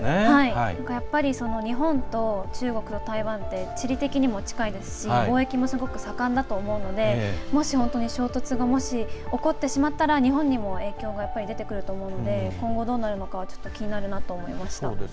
やっぱり、日本と中国と台湾って地理的にも近いですし貿易もすごく盛んだと思うのでもし、本当に衝突が起こってしまったら日本にも影響が出てくると思うので今後、どうなるのかは気になるなと思いました。